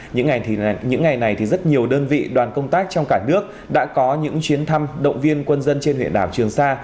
những ngày này thì rất nhiều đơn vị đoàn công tác trong cả nước đã có những chuyến thăm động viên quân dân trên huyện đảo trường sa